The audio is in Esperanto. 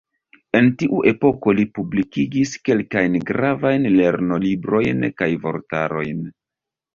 En tiu epoko li publikigis kelkajn gravajn lernolibrojn kaj vortarojn.